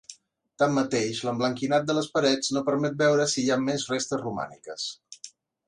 Tanmateix, l'emblanquinat de les parets no permet veure si hi ha més restes romàniques.